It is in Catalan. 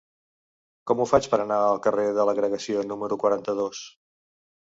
Com ho faig per anar al carrer de l'Agregació número quaranta-dos?